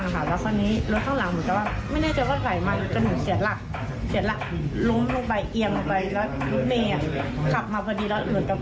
หัวลูกขาดไปเลยน่าจะประมาณล้อหลังถ้าเขาไม่ไหลมาจะชนหนู